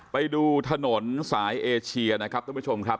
ไปดูถนนสายเอเชียนะครับท่านผู้ชมครับ